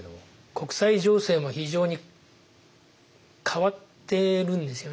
国際情勢も非常に変わってるんですよね。